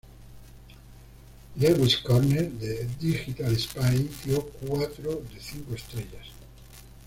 Lewis Corner de Digital Spy dio cuatro de cinco estrellas.